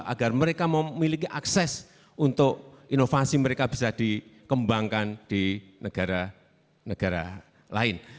agar mereka memiliki akses untuk inovasi mereka bisa dikembangkan di negara negara lain